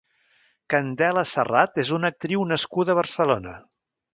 Candela Serrat és una actriu nascuda a Barcelona.